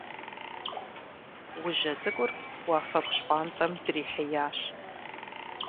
Ужьэ цӀыкӀур уафэгу щхъуантӀэм дрихьеящ.